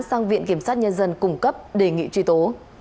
sang viện kiểm sát nhân dân cung cấp đề nghị truy tố